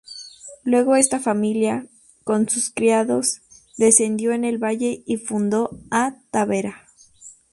Luego esta familia, con sus criados, descendió en el valle y fundó a Tavera.